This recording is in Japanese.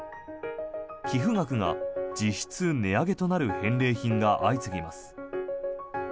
寄付額が実質値上げとなる返礼品が相次ぎます。